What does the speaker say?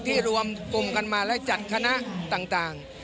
รวมกลุ่มกันมาและจัดคณะต่าง